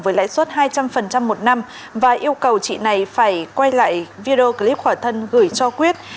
với lãi suất hai trăm linh một năm và yêu cầu chị này phải quay lại video clip khỏa thân gửi cho quyết